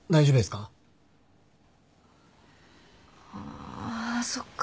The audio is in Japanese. あそっか。